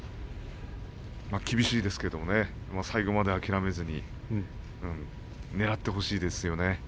厳しいですけど最後まで諦めずにねらってほしいですよね。